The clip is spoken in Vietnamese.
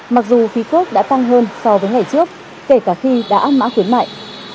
mặc dù phí khớp đã tăng hơn so với ngày trước kể cả khi đã ăn mã khuyến mại